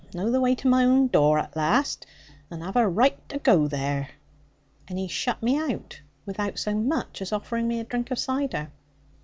Know the wai to my own door, at laste; and have a raight to goo there.' And he shut me out without so much as offering me a drink of cider.